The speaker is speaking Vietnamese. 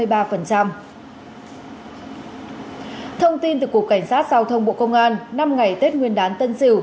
thông tin từ cục cảnh sát giao thông bộ công an năm ngày tết nguyên đán tân sửu